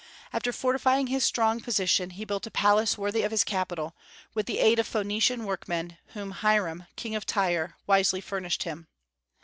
After fortifying his strong position, he built a palace worthy of his capital, with the aid of Phoenician workmen whom Hiram, King of Tyre, wisely furnished him.